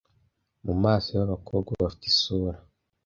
mu maso yabakobwa bafite isura